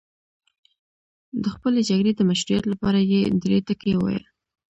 د خپلې جګړې د مشروعیت لپاره یې درې ټکي وویل.